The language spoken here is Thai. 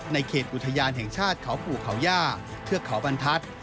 เขตอุทยานแห่งชาติเขาปู่เขาย่าเทือกเขาบรรทัศน์